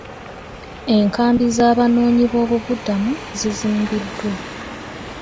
Enkambi z'abanoonyiboobubuddamu zizimbiddwa